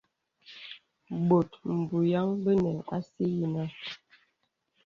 Bòt bùyaŋ bənə así yìnə.